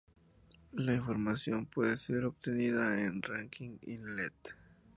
La información puede ser obtenida en Rankin Inlet.